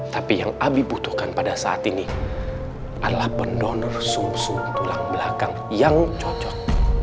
tapi yang abi butuhkan pada saat ini adalah pendonor sum sum tulang belakang yang cocok